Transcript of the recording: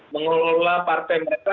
mengelola partai mereka